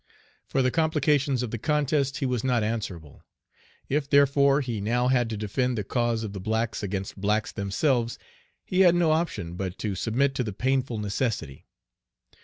For the complications of the contest he was not answerable. If, therefore, he now had to defend the cause of the blacks against blacks themselves, he had no option but to submit to the painful necessity.